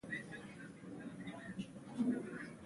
هرات د افغانستان د اقتصادي ودې لپاره ارزښت لري.